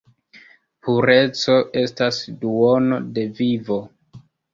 Pureco estas duono de vivo!